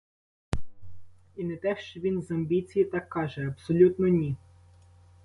І не те, що він з амбіції так каже, абсолютно ні!